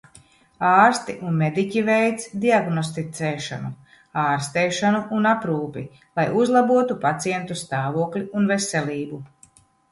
Ārsti un mediķi veic diagnosticēšanu, ārstēšanu un aprūpi, lai uzlabotu pacientu stāvokli un veselību.